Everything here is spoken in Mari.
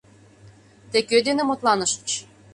— Тый кӧ дене мутланышыч?